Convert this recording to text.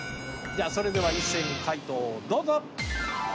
それでは一斉に解答をどうぞ。